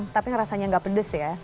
tapi rasanya nggak pedes ya